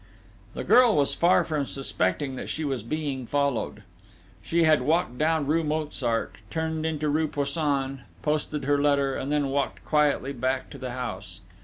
The girl was far from suspecting that she was being followed. She had walked down rue Mozart, turned into rue Poussin, posted her letter, and then walked quietly back to the house.